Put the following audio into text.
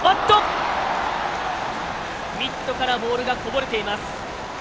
ミットからボールがこぼれています。